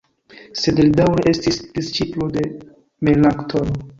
Sed li daŭre estis disĉiplo de Melanktono.